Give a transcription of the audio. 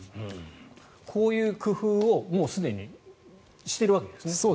こういう工夫をもうすでにしているわけですね。